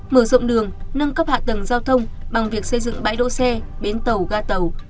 mở rộng đường nâng cấp hạ tầng giao thông bằng việc xây dựng bãi đỗ xe bến tàu ga tàu